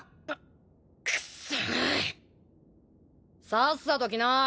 さっさと来な。